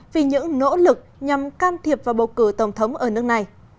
vì những nỗ lực nhằm can thiệp vào bầu cử tổng thống ở nước này